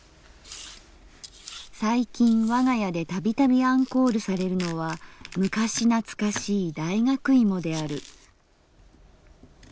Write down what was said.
「最近我が家でたびたびアンコールされるのは昔なつかしい大学芋である」。